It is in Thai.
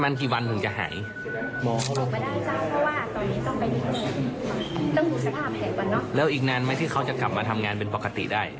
มันต้องดูดีว่าแห่ดีเมื่อใดถึงจะได้อีกเมื่ออังกฤษ